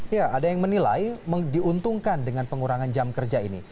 ya ada yang menilai diuntungkan dengan pengurangan jam kerja ini